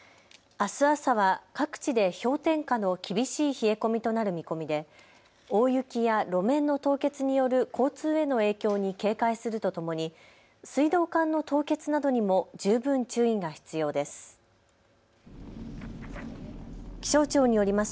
あす朝は各地で氷点下の厳しい冷え込みとなる見込みで大雪や路面の凍結による交通への影響に警戒するとともに水道管の凍結などにも十分注意が必要です。